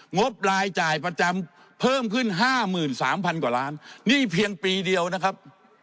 งบรายจ่ายประจำเพิ่มขึ้น๕๓๐๐กว่าล้านนี่เพียงปีเดียวนะครับ